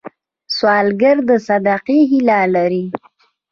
سوالګر د صدقې هیله لري